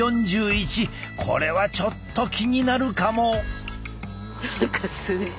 これはちょっと気になるかも。